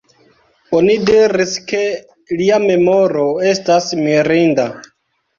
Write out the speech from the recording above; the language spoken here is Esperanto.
Oni diris ke lia memoro estas mirinda.